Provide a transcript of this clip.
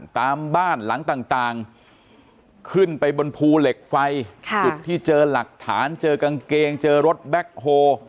ตามบ้านหลังต่างขึ้นไปบนภูเหล็กไฟจุดที่เจอหลักฐานเจอกางเกงเจอรถแบ็คโฮ